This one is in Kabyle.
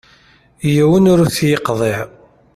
Yiwen ur t-yeqḍiɛ.